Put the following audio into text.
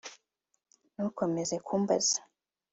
Ntukomeze kumbaza